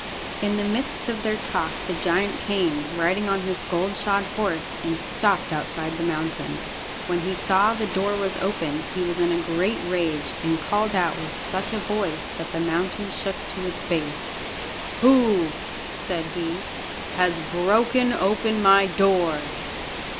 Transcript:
In the midst of their talk the giant came, riding on his gold shod horse, and stopped outside the mountain. When he saw the door was open he was in a great rage, and called out with such a voice that the mountain shook to its base. "Who," said he, "has broken open my door?"